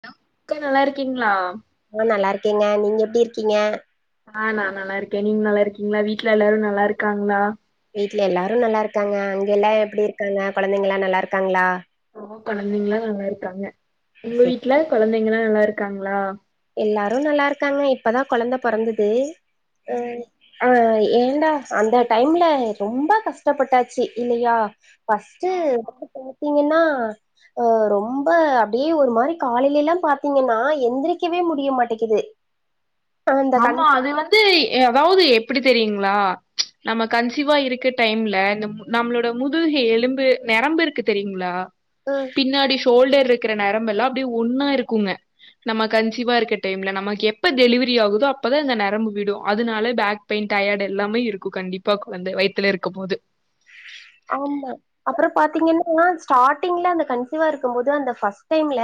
Hollow அக்கா நல்லா இருக்கீங்களா ஆ நல்லா இருக்கேங்க நீங்க எப்டி இருக்கீங்க ஆ நா நல்லா இருக்கே நீங்க நல்லா இருக்கீங்களா வீட்டுல எல்லாரு நல்லா இருக்காங்களா வீட்ல எல்லாரு நல்லா இருக்காங்க அங்க எல்லா எப்டி இருக்காங்க கொழந்தைங்கல்லா நல்லா இருக்காங்களா கொழந்தைங்கல்லா நல்லா இருக்காங்க உங்க சே வீட்டுல கொழந்தைங்கள்ளா நல்லா இருக்காங்கள்ளா எல்லாரு நல்லா இருக்காங்க இப்பதா கொழந்த பொறந்தது அ அ ஏடா அந்த டைம்ல ரொம்ப கஷ்டப்பட்டாச்சு இல்லையா ஃப்பஸ்ட் பாத்தீங்கன்னா ஆ ரொம்ப அப்டியே ஒரு மாரி காலைலெல்லா பாத்தீங்கன்னா எந்திரிக் கிவே முடிய மாடிக்கிது ஆமா அது வந்து அதாவது எப்டி தெரியுங்களா நம்ம கன்சிவா இருக்க டைம்ல இந்த நம்மளோட முதுக எலும்பு நெரம்பு இருக்கு தெரியுங்களா அ பின்னாடி ஷோல்டர் இருக்கிற நரம்பெல்லா அப்டியே ஒன்னா இருக்குங்க நம்ம கன்சீவா இருக்க டைம்ல நமக்கு எப்ப டெலிவரி ஆகு தோ அப்பதா இந்த நரம்பு விடும் அதுனால பேக் பெய்ன் டயர்ட் எல்லாமே இருக்கும் கண்டிப்பா கொழந்த வயித்துல இருக்கும் போது ஆமா அப்புற பாத்தீங்கன்னா ஸ்டார்டிங்ல அந்த கன்சிவா இருக்கும் போது அந்த ஃபஸ்ட் டைம்ல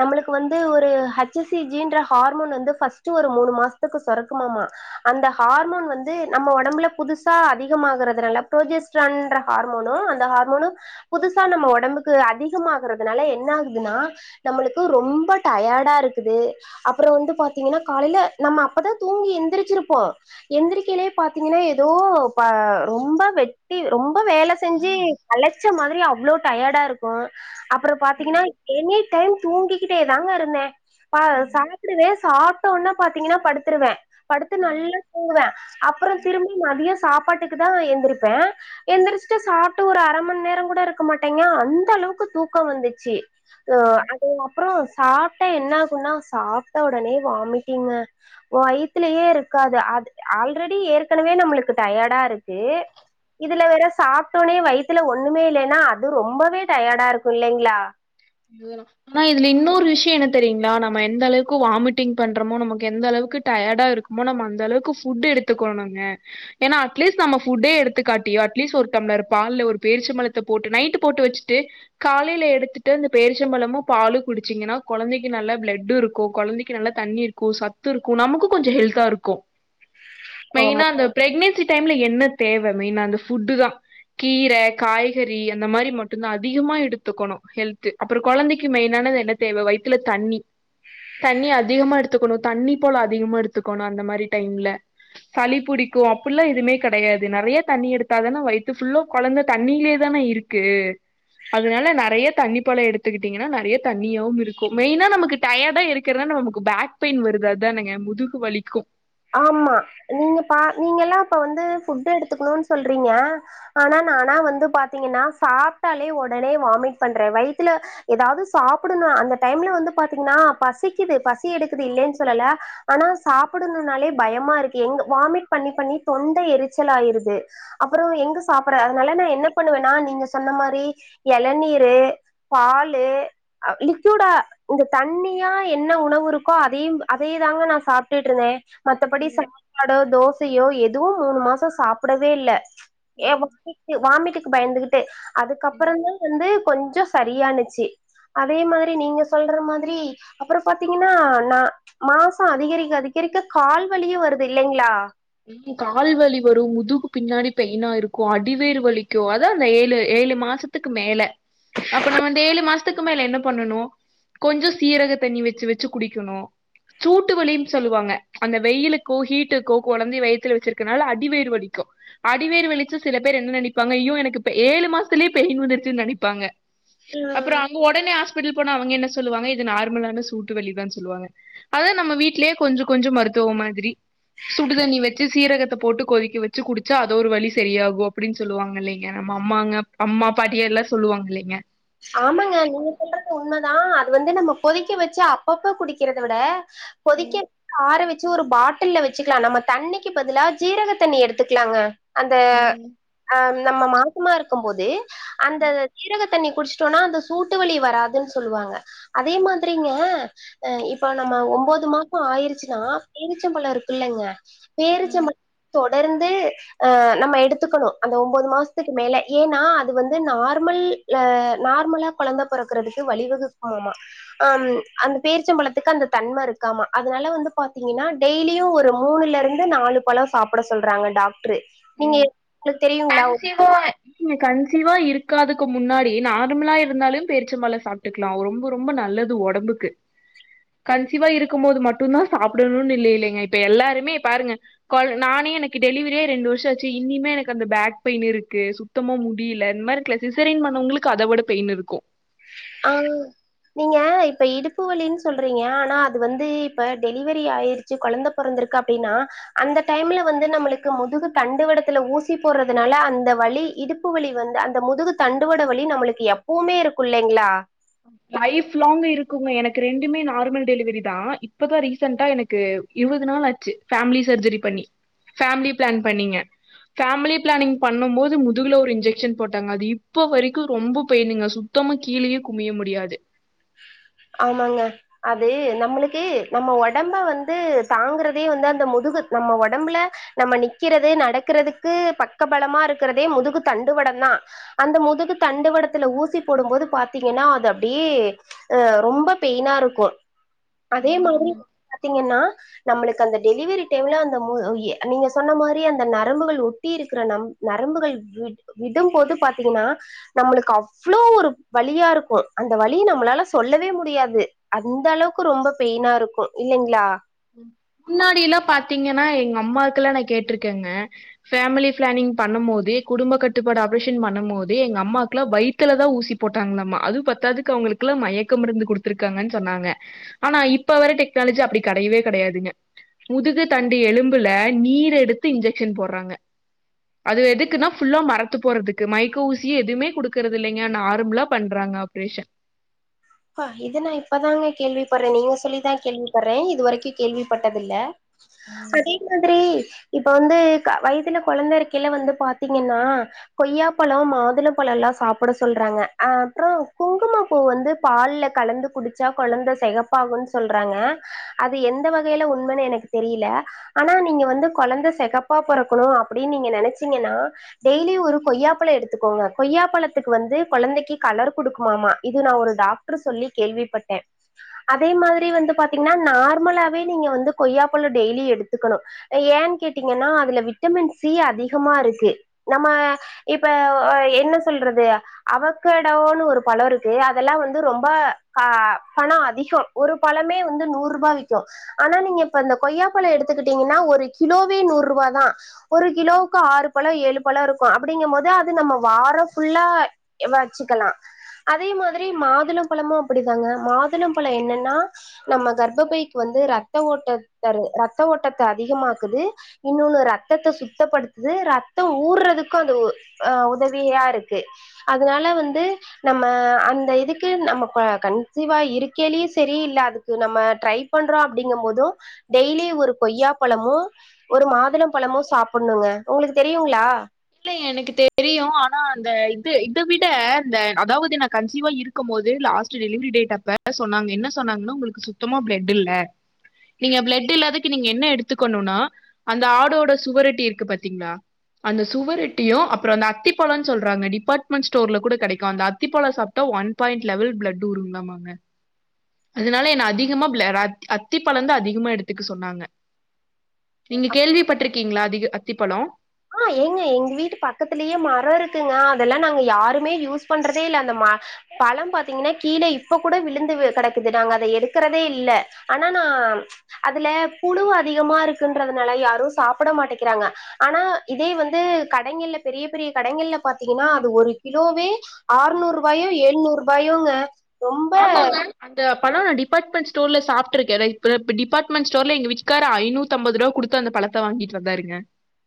நம்மளுக்கு வந்து ஒரு ஹச் சி ஜி ன்ற ஹார்மோன் வந்து ஃபஸ்ட் ஒரு மூணு மாசத்துக்கு சுரக்குமாமா அந்த ஹார்மோன் வந்து நம்ம ஒடம்புல புதுசா அதிகமாகிறதுனால ப்ரஜஸ்ட்ரன்ற ஹார்மோனும் அந்த ஹார்மோனும் புதுசா நம்ம ஒடம்புக்கு அதிகமாகறதுனால என்ன ஆகுதுன்னா நம்மளுக்கு ரொம்ப டயர்டா இருக்குது அப்புற வந்து பாத்தீங்கனா காலில நம்ம அப்பதான் தூங்கி எந் திரிச்சிருப்போ எந்திரிக்கையில பா்த்தீங்கன்னா ஏதோ ரொம்ப வெட்டி ரொம்ப வேல செஞ்சு கழச்ச மாதிரி அவ்ளோ டயர்டா இருக்கும் அப்புறம் ம் பாத்தீங்கன்னா எனி டைம் தூங்கிக்கிட்டே தாங்க இருந்தே ம். சாப்பிடுவே சாப்ட்டோன பாத்தீங்கன்னா படுத்துருவே படுத்து நல்லா தூங்குவே அப்புற திரும்பி மத்தியம் சாப்பாட்டுக்குதா எந்திருப்பே எந்திரிச்சுட்டு சாப்ட்டு ஒரு அர மண்நேர கூட இருக்க மாட்டேங்க அந்த அளவுக்கு தூக்கம் வந்துச்சி அ அது அப்புற சாப்ட்டா என்ன ஆகுன்னா சாப்ட்ட உடனே வாமிட்டிங்க வயுத்துலேயே இருக் காது ஆல்ரெடி ஏற்கனவே நம்மளுக்கு டயர்டா இருக்கு இதுல வேற சாப்ட்டோனே வயித்துல ஒண்ணுமே இல்லன்னா அது ரொம்பவே டயர்டா இருக்கும் இல்லைங்களா ஆனா இதுல இன்னோரு விஷயம் என்ன தெரியுங்களா நம்ம எந்த அளவுக்கு வாமிட்டிங் பண்றோமோ நமக்கு எந்த அளவுக் வுக்கு டயர்டா இருக்குமோ நம்ம அந்த அளவுக்கு ஃபுட் எடுத்துக்கணுங்கா ஏன்னா அட்லீஸ்ட் நம்ம ஃபுட்டே எடுத்துக்காட் டி அட்லீஸ் ஒரு டம்ளர் பால்ல ஒரு பேரிச்சம்பழத்த போட்டு நைட்டு போட்டு வச்சுட்டு காலையில எடுத்து டு பேரிச்சம்பழமும் பாலு குடிச்சீங்கன்னா கொழந்தைக்கு நல்ல பிளட்டு இருக்கும் கொழந்தைக்கு நல்லா தண்ணி இருக்கு சத் து இருக்கும் நமக்கு கொஞ்ச ஹெல்தா இருக்கும் ஆமா. மெயினா அந்த பிரெக்னன்சி டைம்ல என்ன தேவ மெயினா அந்த ஃபுட்டு தா கீர காய்கறி அந்த மாரி மட்டும்தா அதிகமா எடுத்துக்கணும் ஹெல்த் அப்புற கொழந்தைக்கு மெயினானது என்ன தேவை வயித்துல தண்ணி தண்ணி அதிகமா எடுத்துக்கணும் தண்ணி பழ அதிகமா எடுத்துக்கணும் அந்த மாரி டைம்ல சளி பிடி க்கும் அப்டில்லா எதுமே கெடையாது நெறைய தண்ணி எடுத்தாதானே வயித்து ஃபுல்லா கொழந்த தண்ணியிலே தானே இருக்கு அதுனால நறைய தண்ணி பழ எடுத்துக்கிட்டீங்கனா நறைய தண்ணியாவுருக்கும் இருக்கும் மெயினா நமக்கு டயர்டா இருக்கிறதா நமக்கு பேக் பெயின் வருது தானுங்க முதுகு வலிக்கும் ஆமா நீங்க பா நீங்க எல்லா இப்ப வந்து ஃபுட் எடுத்துக்கணும்னு சொல்றீங்க ஆனா ஆனா வந்து பாத்தீங்கன்னா சாப்ட்டாலே ஒடனே வாமிட் பண்றே வயித்துல எதாவது சாப்பிடணு அந்த டைம்ல வந்து பாத்தீங்கனா பசிக்கிது பசி எடுக்குது இல்லேன் சொல்லல ஆனா சாப்புட் னாலே பயமா இருக்கு எங்க வாமிட் பண்ணி பண்ணி தொண்டை எரிச்சல் ஆயிருது அப்புற எங்க சாப் புட அதனால நா என்ன பண்ணுவேன்னா நீங்க சொன்ன மாரி இளநீரு பாலு லிக்யூடா இந்த தண்ணியா என்ன உணவு இருக்கோ அதையும் அதேயே தாங்க நா சாப்டு ருந்தேன் மத்தபடி ம் சாப்பாடோ தோசையோ எதுவு மூணு மாசம் சாப்பிடவே இல்ல ஏ ம் [inaudible] வாமிட்டுக்கு பயந்துகிட்டு ம் அதுக்கப்புற தா வந்து கொஞ்ச சரியானுச்சி அதே மாரி நீங்க சொல்ற மாதிரி அப்புற பாத்தீங்கன்னா நா மாசம் அதிகரிக்க அதிக ரிக்க கால் வலியு வருது இல்லைங்களா கால்வலி வரு முதுகுக்கு பின்னாடி பெயினா இருக்கு அடிவயிறு வலிக்கு அதா அந்த ஏழு ஏ ழு மாசத்துக்கு மேல அப்ப நம்ம வந்து ஏழு மாசத் துக்கு மேல என்ன பண்ணணு கொஞ்ச சீரக தண்ணி வச்சு வச்சு குடிக்கணு சூட்டுவலின்னு சொல்லுவாங்க அந்த வெயிலுக்கு ஹீட்டுக்கு கொழந்தை வயித்தில வச்சிருக்கனால அடிவயிறு வலிக்கு அடிவயிறு வலிச்ச சில பேர் என்ன நினப்பாங்க அய்யோ எனக்கு ஏழு மாசத்திலேயே பெய்ன் வந்திடுச்சுனு நெனப்பாங்க அப்புற ம் அங்க உடனே ஆஸ் பிடல் போன அவங்க என்ன சொல்லுவாங்க இது நார்மலான சூட்டு வலிதா சொல்வாங்க அதா நம்ம வீட்லேயே கொஞ்ச கொஞ்ச மருத் துவம் மாதிரி சுடுதண்ணி வச்சு சீரகத்த போட்டு கொதிக்க வச்சு குடிச்சா அது ஒரு வலி செரியாகு அப்டின் சொல்லுவாங்க இல்லிங்க நம்ம அம் அம்மாங்க அம்மா பாட்டியர்லா சொல்லுவாங்க இல்லிங்க ஆமாங்க நீங்க சொல்றது உண்மதா அது வந்து நம்ம பொதைக்க வச்சு அப்பப்ப குடிக்கிறத விட கொதிக்க ஆர வச் ச்சு ஒரு பாட்டில்ல வச்சுக்கலா நம்ம தண்ணிக்கு பதிலா ஜீரக தண்ணி எடுத்துக்லாங்க அந்த அ நம்ம மாசமா இருக்கும் போது அந்த சீரக தண்ணி குடிஸ் ச்சொனா அந்த சூட்டுவலி வராதுன் சொல்லுவாங்க அதே மாதிரிங்க அ இப்ப நம்ம ஒம்போ து மாச ஆயிருச்சினா பேரிச்சம்பழ இருக்குல்லங்க பேரிச்சம்பழ தொ டர்ந்து நம்ம எடுத்துக்கணு அந்த ஒம்போது மாசத்துக்கு மேல ஏன்னா அது வந்து நார்மல் ல நார்மலா கொழந்த பொறக்கறதுக்கு வழிவகுக்குமாமா அம் அந்த பேரிச்சம்பழத்துக்கு அந்த தன்மருக் க்காமா அதனால வந்து பாத்தீங்கனா டெய்லியு ஒரு மூனுலருந்து நாலு பழ சாப்பிட சொல்றாங்க டாக் ட்ரு நீங்க எங்ளுக்கு தெரியுங்ளா நீக கன்சிவா இருக்காதுக்கு முன்னாடி நார்மலா இருந்தாலும் பேரிச்சம்பழ சாப்டுக்லா ரொம்ப ரொம்ப ந நல்லது ஒடம்புக்கு கன்சிவா இருக்கும் போது மட்டுந்தா சாப்டணுனு இல்லே இல்லிங்க இப்ப எல்லாருமே பாருங்க கொழ நான் நே எனக்கு டெலிவிரியே ரெண்டு வரு ச்சாச்சு இனிமே எனக்கு அந்த பேக் பெயின் இருக்கு சுத்தமா முடில இந் மாரிக்ல சிசெரின் பண்ணவங்ளுக்கு அத விட பெயின் இன்னுருக்கு ஆங் நீங்க இப்ப இடுப்பு வலின் சொல்றிங்க ஆனா அது வந்து இப்ப டெலிவரி ஆயிருச்சு கொழந்த பொறந் திருக்கு அப்டினா அந்த டைம்ல வந்து நம்மளுக்கு முதுகு தண்டுவடத்தில ஊசி போர்றதுனால அந்த வ லி இடுப்பு வலி வந்து அந்த முதுகு தண்டுவட வலி நம்மளுக்கு எப்பவுமே இருக்கு இல்லைங்ளா லைஃப் லாங்க் இருக்குங்க எனக்கு ரெண்டுமே நார்மல் டெலிவிரிதா இப்பதா ரீசன்டா எனக்கு இருவது நாள் ஆச்சு ஃபேமிலி சர்ஜரி பண்ணி ஃபேமிலி பிளான் பண்ணீங்க ஃபேமிலி பிளானிங் பண்ணும் போது முதுகுல ஒரு இன்ஜெக்க்ஷன் போட்டாங்க அது இப்ப வரைக்கு ரொம்ப பெய்னுங்க சுத் த்தமா கீழியே குமிய முடியாது ஆமாங்க அது நம்மளுக்கு நம்ம ஒடம்ப வந்து தாங்குறதே வந்து அந்த முதுகு நம்ம ஒடம்புல நம்ம நிக்கிறது நடக்கிறதுக்கு பக்கபலமாருக்கிறதே முதுகு தண்டுவடந் தா அந்த முதுகு தண்டுவடத்துல ஊசி போடும் போது பாத்தீங்கன்னா அது அப்டியே அ ரொம்ப பெயினாருக்கு அதே மாதிரி பாத் திங்கன்னா நம்மளுக்கு அந்த டெலிவரி டைம்ல அந்த மு எ நீங்க சொன்ன மாரி அந்த நரம்புகள் ஒட்டிருக் க்ற நம் நரம்புகள் வி விடும்போது பாத்தீங்னா நம்மளுக்கு அவ்ளோ ஒரு வலியா ருக்கு அந்த வலி நம்ளால ல சொல்லவே முடியாது அந்தளவுக்கு ரொம்ப பெயினாருக்கு இல்லைங்ளா ம் முன்னாடியிலா பாத்தீங்கனா எங்க அம்மாக்குலா நா கேட்டிருக்கேங்க ஃபேமிலி ஃபிளானிங் பண்ணம்போது குடும்ப கட்டுப்பாடு ஆப்ரேஷன் பண்ணம்போது எங்க அம்மாக்லா வையித்தலதா ஊசி போட்டாங்ளாம்மா அது பத்தாதுக்கு அவுங்ளுக்குலா மயக்கம் இருந்து குடுத்திருக்காங்கன் சொன்னாங்க ஆனா இப்ப வர டெக்னாலஜி அப்டி கெடையவே கெடையாதுங்க முதுகு தண்டு எலும்புல நீரெடுத்து இன்ஜெக்க்ஷன் போர்றாங்க அது எதுக்குனா ஃபுல்லா மறத்து போறதுக்கு மைக்க ஊசியே எதுமே குடுக்கறதில்லைங்க நார்ம்லா பண்றாங் க ஆப்ரேஷ பா இது நா இப்பதாங்க கேள்விப்பர்றே நீங்க சொல்லிதா கேள்விப் பர்றே இது வரைக்கு கேள்விப்பட்டதில்ல ம். அதே மாதிரி இப்ப வந்து க வயித்துல கொழந்த இருக்கைல வந்து பாத்தீங்கன்னா கொய்யா பழ மாதுள பழலா லா சாப்பிட சொல்றாங்க அப்ற குங்குமப் பூ வந்து பால்ல கலந்து குடிச்சா கொழந்த செகப்பாகுன் சொல்றாங்க அது எந்த வகைல உண்மனு எனக் தெரில ஆனா நீங்க வந்து கொழந்த செகப்பா பொறக்கணு அப்டின் நீங்க நெனச்சீங்கனா டெய் லி ஒரு கொய்யாப்பழ எடுத்துக்கோங்க கொய்யாப்பழத்துக்கு வந்து கொழந்தைக்கி கலர் குடுக்குமாமா இது நா ஒரு டாக் ட்ரு சொல்லி கேள்விப்பட்டே அதே மாதிரி வந்து பாத்தீங்னா நார்மலாவே நீங்க வந்து கொய்யாப்பழ டெய்லி எடுத்துக்கணு ஏ ஏனு கேட்டீங்கன்னா அதுல விட்டமின் சி அதிகமா இருக்கு நம்ம இப்ப ஆ என்ன சொல்றது அவக்கேடானு ஒரு பழம் இருக்கு அதெல்லாம் வந்து து ரொம்ப கா பணம் அதிகம் ஒரு பழமே வந்து நூறு ரூபாய் விக்கும் ஆனா நீங்க இப்ப அந்த கொய்யா பழம் எடுத்துக்கிட்டீங்கன்னா ஒரு கிலோவே நூறு ரூபா தான் ஒரு கிலோவுக்கு ஆறு பழம் ஏழு பழம் இருக் கு அப்படிங்கும் போது அது நம்ம வாரம் ஃபுல்லா வச்சுக்கலாம் அதே மாதிரி மாத துள பழமும் அப்படிதாங்க மாதுள பழம் என்னன்னா நம்ம கர்ப்பபைக்கு வந்து ரத்த ஓட்டத்த தரு ரத்த ஓட்டத்த அதிகமாக்குது இன்னொன்னு ரத்தத்த சுத்தப்படுத்துது ரத்த ஊறதுக் கு அது ஆ உதவியா இருக்கு அதனால வந்து நம்ம அந்த இதுக் கு நம்ம கா கன்சிவா இருக்கனே சரி இல்ல அதுக்கு நம்ம ட்ரை பண்றோம் அப்டிங்கும் போதும் டெய்லி ஒரு கொய்யா பழமு ஒரு மாதுளம் பழமு சாப்புணுங்க உங்களுக்கு தெரியுங்களா இல்ல எனக்கு தெரியும் ஆனா அந்த இது இத விட இந்த அதாவது நான் கன்சிவா இருக்கும் போது ஆஸ்ட்டு டெலிவரி டேட் அப்ப சொன்னாங்க என்னா சொன்னாங்கனா உங்களுக்கு சுத்தமா பிளட் இல்ல நீங்க பிளட் இல்லாது நீங்க என்ன எடுத்துக்கணும்னா அந்த ஆடோட சுவரட்டி இருக்கு பாத்தீங்களா அந்த சுவரெட்டியும் அப்ரோ அந்த அத்திப்பழனு சொல்றாங்க டிபார்ட்மெண்ட் ஸ்டோர்ல கூட கெடைக்கும் அந்த அத்திப்பழம் சாப்ட்டா one one point level blood ஊருணுமாங்க அதனால என்ன அதிகமா பிளட் அத்திப்பழந்தா அதிகமா எடுத்துக்க சொன்னாங்க நீங்க கேள்விப்பட்டிருக்கீங்களா அதிக அத்திப்பழம் ஆ ஏங்க எங்க வீட்டு பக்கத்துலயே மரோ இருக்குங்க அதெல்லாம் நாங்க யாருமே யூஸ் பண்றதே இல்ல அந்த ம பழம் பாத்தீங்கன்னா கீழே இப்ப கூட விழுந்து கெடக்குது நாங்க அத எடுக்கிறதே இல்ல ஆனா நா அதுல புழு அதிகமா இருக்குன்றதுனால யாரும் சாப்பிட மாட்டேக்கிறாங்க ஆனா இதே வந்து கடைங்கள பெரிய பெரிய கடைங்கள பாத்தீங்கன்னா அது ஒரு கிலோவே ஆறுநூறு ரூபாயு எழுநூறு ரூபாயுங்க ஆமாங்க அந்தப் பழம் நா டிபார்ட்மென்ட் ஸ்டோர்ல சாப்டுருக்கேன் நா இப்ப டிபார்ட்மெண்ட் ஸ்டோர்ல எங்க வீட்கார் ஐனூத்திஅம்பதுரூபா கொடுத்து அந்த பழ த்த வாங்கிட்டு வந்தாருங்க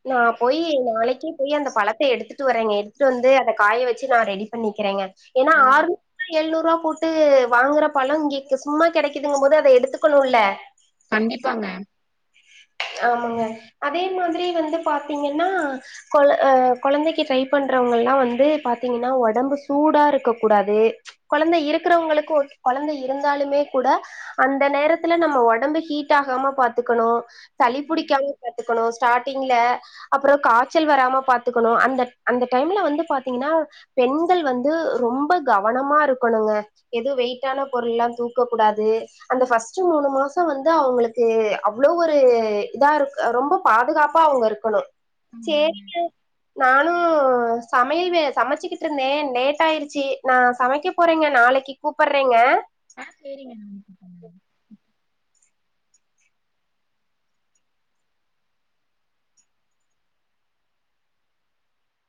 நா போய் நாளைக்கே போய் அந்த பழத்த எடுத்துட்டு வரேங்க எடுத்துட்டு வந்து அத காய வச்சு நான் ரெடி பண்ணிக்கிறேங்க ஏனா ஆர்நூறு ஏழ்நூறுவா போட்டு வாங்குற பழம் இங்கக்கு சும்மா கிடைக்குதுங்க போது அத எடுத்துக்கணும்ல்ல கண்டிப்பாங்க ஆமாங்க அதே மாதிரி வந்து பாத்தீங்கன்னா கொழ உம் கொழந்தைக்கு ட்ரை பண்றவங்க ல்லாம் வந்து பாத்தீங்கன்னா ஒடம்பு சூடா இருக்கக கூடாது கொழந்த இருக்கறவங்களுக்கு ஓகே கொழந்த இருந்தாலுமே கூட அந்த நேரத்துல நம்ம ஒடம்பு ஹீட் ஆகாம பாத்துக்கணும் சளிபுடிக்காம பாத்துக்கணும் ஸ்டார் டிங்ல அப்ரோ காய்ச்சல் வராம பாத்துக்கணும் அந்த அந்த டைம்ல வந்து பா்த்தீங்கன்னா பெண் ண்கள் வந்து ரொம்ப கவனமா இருக்கணுங்க எதோ வெயிட்டான பொருள் எல்லாம் தூக்க கூடாது அந்த பஸ்ட் மூணு மாசம் வந்து அவங்களுக்கு அவ்ளோ ஒரு இதா இருக் ரொம்ப பாதுகாப்பா அவங்க இருக்கணும் சேரிங்க நானும் சமையல்வே சமைச்சுக்கிட்டு இருந்தேன் லேட் ஆயிருச்சு நான் சமைக்க போறேங்க நா நாளைக்கு கூப்பறேங்க ஆ செரிக [unintelligible]